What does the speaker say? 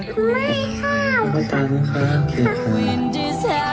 คุณพ่องตาแหมคะ